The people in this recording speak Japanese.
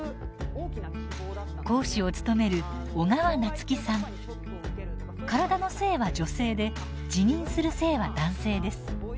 講師を務める体の性は女性で自認する性は男性です。